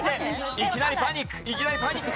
いきなりパニックいきなりパニック。